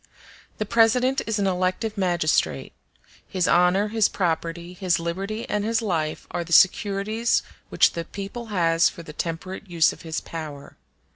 The President is an elective magistrate. His honor, his property, his liberty, and his life are the securities which the people has for the temperate use of his power.